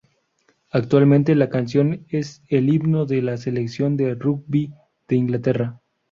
Actualmente, la canción es el himno de la Selección de rugby de Inglaterra.